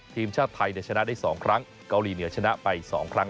ทีมชาติไทยชนะได้๒ครั้งเกาหลีเหนือชนะไป๒ครั้ง